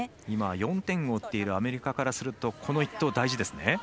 今、３点を追っているアメリカからするとこの１投は大事ですね。